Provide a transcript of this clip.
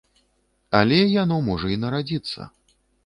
Але яно можа і нарадзіцца.